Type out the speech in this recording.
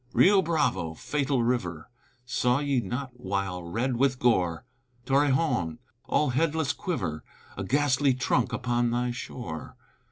Rio Bravo, fatal river, Saw ye not while red with gore, Torrejon all headless quiver, A ghastly trunk upon thy shore!